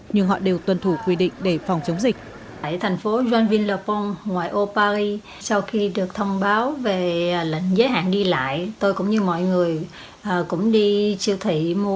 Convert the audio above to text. nhưng họ đều tuân thủ quy định để phòng chống dịch